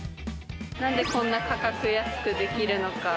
なんでこんな価格安くできるのか。